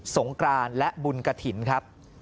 สงกรานและบุญกฐินครับ